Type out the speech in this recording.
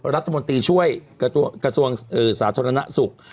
รัฐมนตรีช่วยกระทรวงสาธารณสุข